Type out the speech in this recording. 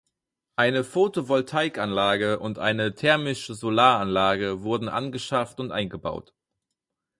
Eine Photovoltaikanlage und eine thermische Solaranlage wurden angeschafft und eingebaut.